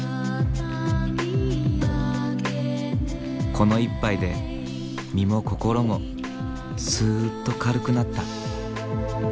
この１杯で身も心もすっと軽くなった。